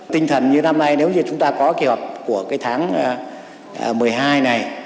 tinh thần như năm nay nếu như chúng ta có kế hoạch của tháng một mươi hai này